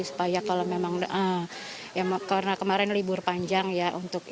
supaya kalau memang karena kemarin libur panjang ya